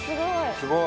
すごい！